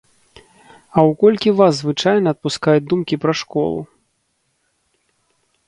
А ў колькі вас звычайна адпускаюць думкі пра школу?